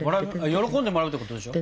喜んでもらうってことでしょ？